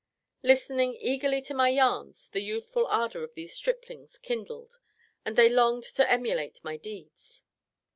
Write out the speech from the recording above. Listening eagerly to my "yarns," the youthful ardour of these striplings kindled, and they longed to emulate my deeds.